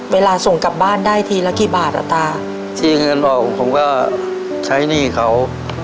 เวลาส่งกลับบ้านได้ทีละกี่บาทอ่ะตาที่เงินบอกผมก็ใช้หนี้เขา